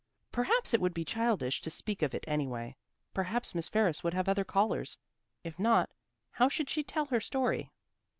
Perhaps it would be childish to speak of it anyway. Perhaps Miss Ferris would have other callers. If not, how should she tell her story?